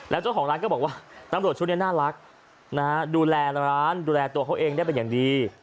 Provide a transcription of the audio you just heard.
แล้วเจ้าของร้านก็บอกว่าตำรวจชุดนี้น่ารักนะฮะดูแลร้านดูแลตัวเขาเองได้เป็นอย่างดี